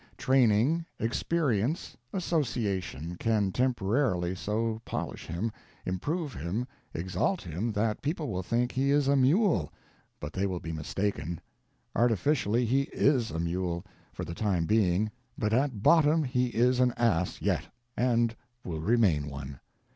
Training, experience, association, can temporarily so polish him, improve him, exalt him that people will think he is a mule, but they will be mistaken. Artificially he IS a mule, for the time being, but at bottom he is an ass yet, and will remain one.